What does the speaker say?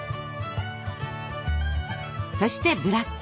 そして「ブラック」。